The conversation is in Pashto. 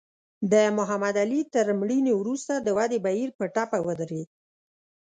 د محمد علي تر مړینې وروسته د ودې بهیر په ټپه ودرېد.